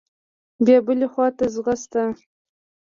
بيا بلې خوا ته ځغسته.